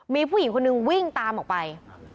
มีผู้หญิงคนนึงวิ่งตามออกไป